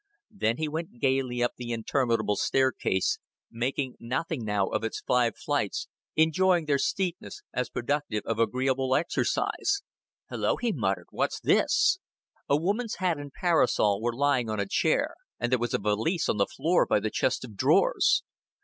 Then he went gaily up the interminable staircase, making nothing now of its five flights, enjoying their steepness as productive of agreeable exercise. "Hulloa!" he muttered. "What's this?" A woman's hat and parasol were lying on a chair, and there was a valise on the floor by the chest of drawers.